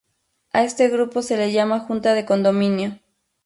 A este grupo se le llama Junta de Condominio.